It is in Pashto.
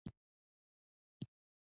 د لیټو پاڼې باید تازه وخوړل شي.